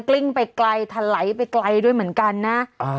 ลิ้งไปไกลทะไหลไปไกลด้วยเหมือนกันนะ